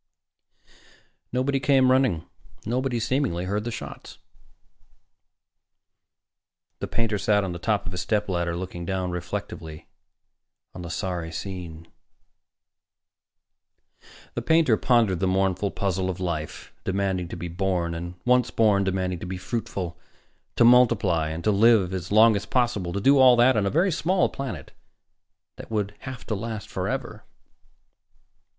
Nobody came running. Nobody, seemingly, heard the shots. The painter sat on the top of his stepladder, looking down reflectively on the sorry scene. The painter pondered the mournful puzzle of life demanding to be born and, once born, demanding to be fruitful ... to multiply and to live as long as possible to do all that on a very small planet that would have to last forever.